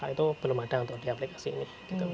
itu belum ada untuk di aplikasi ini